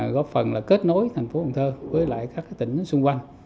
góp phần là kết nối thành phố cần thơ với các tỉnh xung quanh